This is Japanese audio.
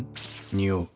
匂う。